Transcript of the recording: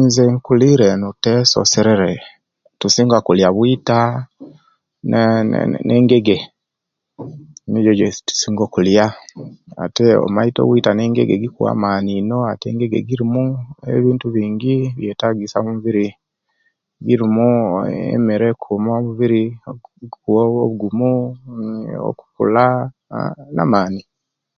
Nze na'kulire enu teso serere tusinga kulya bwita ne'ngege nijo ejetusinga okulya ate omaite obwita ne'ngege bikuwa amaani ino ate engege jirimu ebintu bingi ino ebyetagasya omumubiri jirimu emere ekuuma omubiri obuguumu, okukula na'maani